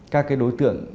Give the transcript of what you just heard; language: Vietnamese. các cái đối tượng